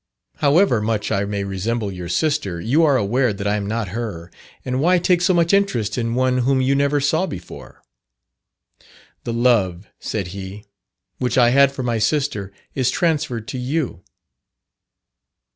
'However much I may resemble your sister, you are aware that I am not her, and why take so much interest in one whom you never saw before?' 'The love,' said he, 'which I had for my sister is transferred to you.'